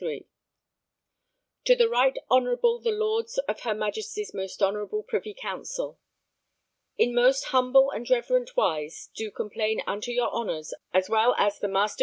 63=] To the right honourable the Lords of her Majesty's most honourable Privy Council. In most humble and reverent wise do complain unto your honours as well the M^r.